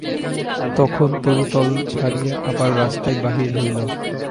তখন তরুতল ছাড়িয়া আবার রাস্তায় বাহির হইল।